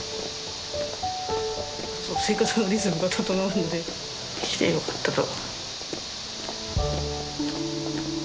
生活のリズムが整うので来てよかったと。